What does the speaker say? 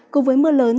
cùng với mưa lớn